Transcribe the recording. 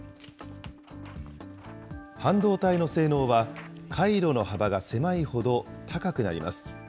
半導体の性能は、回路の幅が狭いほど高くなります。